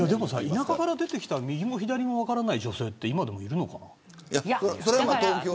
田舎から出てきた右も左も分からない女性って今もいるのかな。